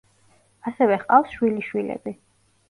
ასევე ჰყავს შვილიშვილები.